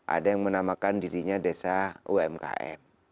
ada yang menamakan dirinya desa umkm